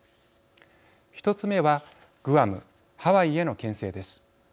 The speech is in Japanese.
１つ目はグアムハワイへのけん制です。